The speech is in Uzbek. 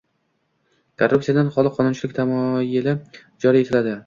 “Korrupsiyadan xoli qonunchilik” tamoyili joriy etiladi